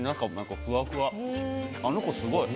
あの子すごい。